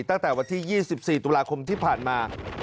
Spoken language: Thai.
ตั้งแต่วันที่๒๔ตุลาคมที่ผ่านมา